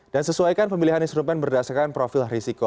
dan sesuaikan pemilihan instrumen berdasarkan profil risiko